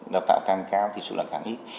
đào tạo càng cao thì sự lợi kháng ít